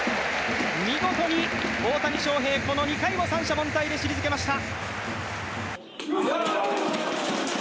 見事に大谷翔平、この２回も三者連続凡退で退けました。